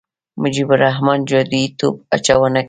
مجيب الرحمن جادويي توپ اچونه کوي.